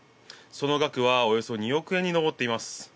その額はおよそ２億円に上っています。